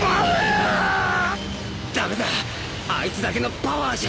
駄目だあいつだけのパワーじゃ。